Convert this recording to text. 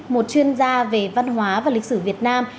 một chuyên gia về văn hóa và lịch sử việt nam